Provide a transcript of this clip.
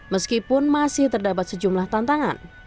meskipun masih terdapat sejumlah tantangan